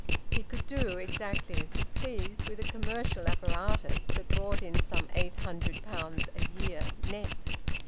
He could do exactly as he pleased with a commercial apparatus that brought in some eight hundred pounds a year net.